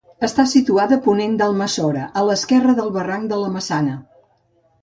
Està situada a ponent d'Alsamora, a l'esquerra del barranc de la Maçana.